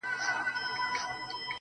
ته تړون دسولي وکړه